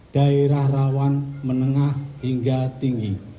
daerah rawan menengah hingga tinggi